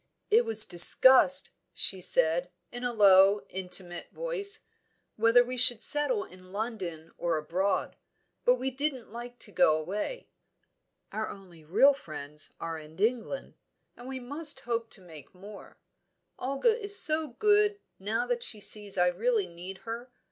"It was discussed," she said, in a low, intimate voice, "whether we should settle in London or abroad. But we didn't like to go away. Our only real friends are in England, and we must hope to make more. Olga is so good, now that she sees that I really need her.